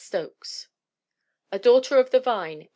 Stokes. A Daughter of the Vine, 1899.